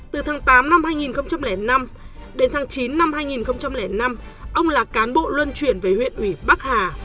từ tháng tám năm hai nghìn năm đến tháng chín năm hai nghìn năm ông là cán bộ luân chuyển về huyện ủy bắc hà